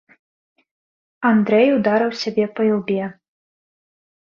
Андрэй ударыў сябе па ілбе.